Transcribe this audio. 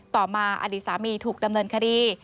ต่อมาอดีตสามีถูกดำเนินคดี